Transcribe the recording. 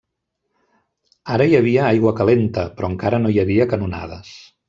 Ara hi havia aigua calenta, però encara no hi havia canonades.